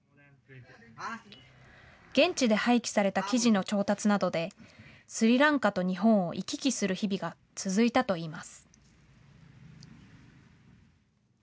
現地で廃棄された生地の調達などでスリランカと日本を行き来する日々が続いたといいます。